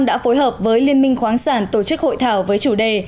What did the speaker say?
đã phối hợp với liên minh khoáng sản tổ chức hội thảo với chủ đề